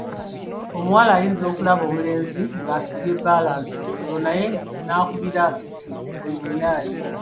Omuwala ayinza okulaba omulenzi ng’asibye bbalansi olwo naye n’akubira nti oyo muyaaye.